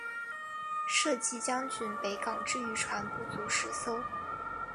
设籍将军北港之渔船不足十艘。